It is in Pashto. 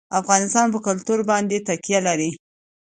افغانستان په کلتور باندې تکیه لري.